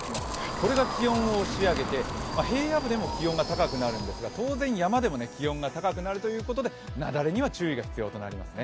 これが気温を押し上げて平野部でも気温が高くなるんですが、当然山でも気温が高くなるということで、雪崩にも注意になりますね。